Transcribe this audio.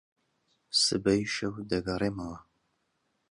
سبەی شەو دەگەڕێمەوە.